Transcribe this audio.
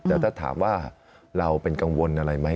แต่ถ้าถามว่าเราเป็นกังวลอะไรไหม